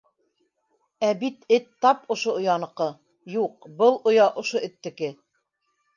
Ә бит эт тап ошо ояныҡы, юҡ, был оя ошо эттеке.